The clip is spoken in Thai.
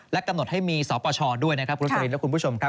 กำหนดให้มีสปชด้วยนะครับรสลินและคุณผู้ชมครับ